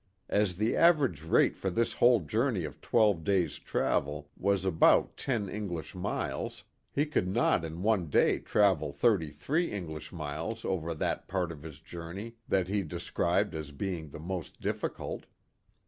As the average rate for his whole journey of twelve days' travel was about ten English miles, he could not in one day travel thirty three English miles over that part of his journey that he describes as being the most difficult.